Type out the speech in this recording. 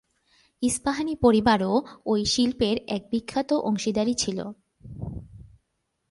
ইস্পাহানী পরিবারও এই শিল্পের এক বিখ্যাত অংশীদার ছিল।